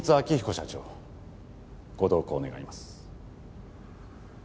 社長ご同行願います